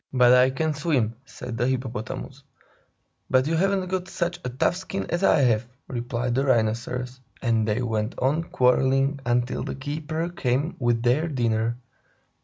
"But I can swim!" said the Hippopotamus. "But you haven't got such a tough skin as I have," replied the Rhinoceros. And they went on quarreling until the keeper came with their dinner.